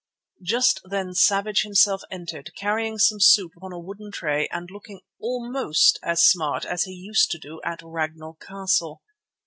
Just then Savage himself entered, carrying some soup upon a wooden tray and looking almost as smart as he used to do at Ragnall Castle.